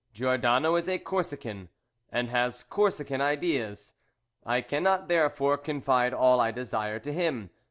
Giordano is a Corsican, and has Corsican ideas. I cannot, therefore, confide all I desire to him.